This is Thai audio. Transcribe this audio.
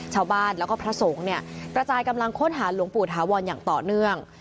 ชาวบ้านแล้วก็พระสงฆ์เนี่ยกระจายกำลังค้นหาหลวงปู่ถาวรอย่างต่อเนื่อง